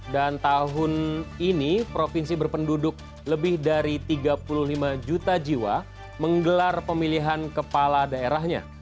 dan tahun ini provinsi berpenduduk lebih dari tiga puluh lima juta jiwa menggelar pemilihan kepala daerahnya